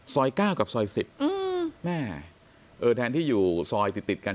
เก้ากับซอย๑๐แม่เออแทนที่อยู่ซอยติดติดกัน